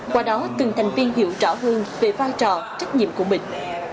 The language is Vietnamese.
qua đó từng thành viên hiểu rõ hơn về vai trò trách nhiệm của mình